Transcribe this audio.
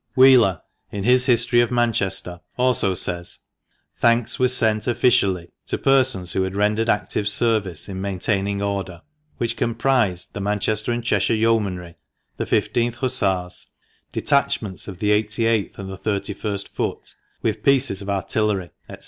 Wheeler, in his "History of Manchester," also says, "Thanks were sent 'officially' to persons who had rendered active service in maintaining order, which comprised the Manchester and Cheshire Yeomanry, the I51h Hussars, detachments of the 88th and the 3ist Foot, with pieces of artillery" &c.